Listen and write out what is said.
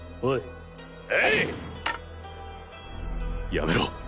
やめろ。